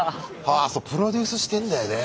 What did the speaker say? あそうプロデュースしてんだよね。